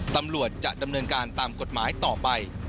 ตำรวจจะดำเนินการตามกฎหมายต่อไป